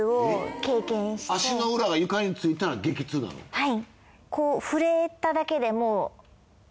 はい。